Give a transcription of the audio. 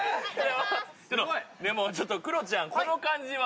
でもちょっとクロちゃんこの感じは。